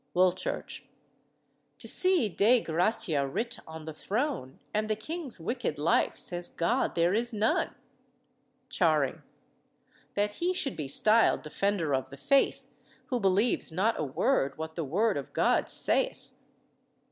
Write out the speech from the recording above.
"WOOLCHURCH. To see Dei gratia writ on the throne, And the king's wicked life says God there is none. CHARING. That he should be styled Defender of the Faith Who believes not a word what the Word of God saith.